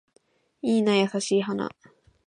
いいな優しい花